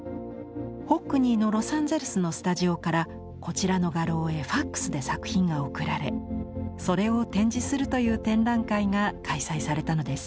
ホックニーのロサンゼルスのスタジオからこちらの画廊へファックスで作品が送られそれを展示するという展覧会が開催されたのです。